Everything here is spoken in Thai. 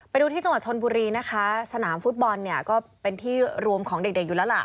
ไปดูที่จังหวัดชนบุรีนะคะสนามฟุตบอลเนี่ยก็เป็นที่รวมของเด็กเด็กอยู่แล้วล่ะ